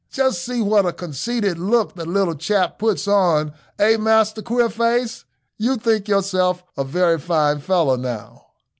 "Just see what a conceited look the little chap puts on; eh, Master Queerface, you think yourself a very fine fellow now."